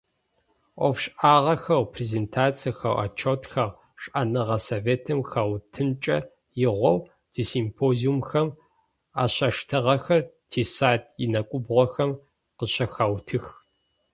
Ӏофшӏагъэхэу, презентациехэу, отчётхэу шӏэныгъэ советым хэутынкӏэ игъоу тисимпозиумхэм ащаштагъэхэр, тисайт инэкӏубгъохэм къащыхаутых.